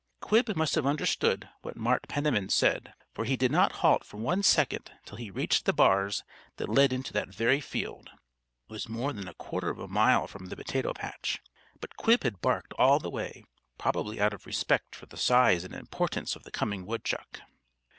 Quib must have understood what Mart Penniman said, for he did not halt for one second till he reached the bars that led into that very field. It was more than a quarter of a mile from the potato patch, but Quib had barked all the way probably out of respect for the size and importance of the coming woodchuck.